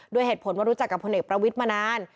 เหตุผลว่ารู้จักกับพลเอกประวิทย์มานาน